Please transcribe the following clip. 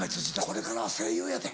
これからは声優やで。